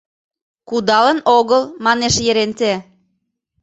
— Кудалын огыл, — манеш Еренте.